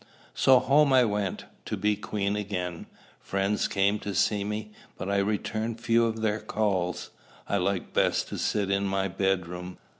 So home I went, to be queen again. Friends came to see me, but I returned few of their calls. I liked best to sit in my bedroom.